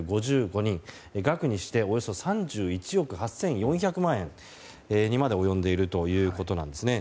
額にしておよそ３１億８４００万円にまで及んでいるということです。